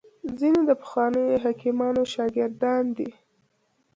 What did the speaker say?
ځیني د پخوانیو حکیمانو شاګردان دي